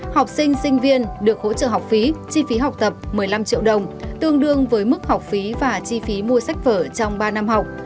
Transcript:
học sinh sinh viên được hỗ trợ học phí chi phí học tập một mươi năm triệu đồng tương đương với mức học phí và chi phí mua sách vở trong ba năm học